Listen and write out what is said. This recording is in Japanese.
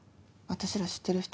私ら知ってる人？